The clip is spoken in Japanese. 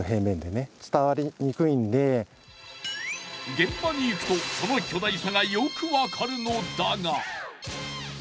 現場に行くとその巨大さがよく分かるのだが。